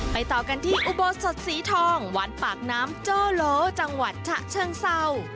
ต่อกันที่อุโบสถสีทองวันปากน้ำโจ้โลจังหวัดฉะเชิงเศร้า